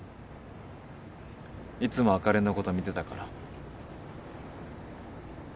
いつもあかりのこと見てたから。